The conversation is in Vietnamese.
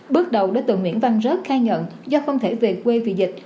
bước đầu đối tượng nguyễn văn rớt khai nhận do không thể về quê vì dịch